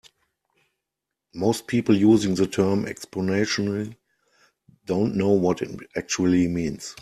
Most people using the term "exponentially" don't know what it actually means.